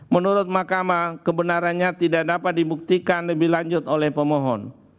menurut mahkamah kebenarannya tidak dapat dibuktikan lebih lanjut oleh pemohon